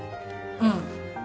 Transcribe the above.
うん。